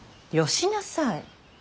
よしなさい。